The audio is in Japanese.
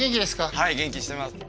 はい元気してます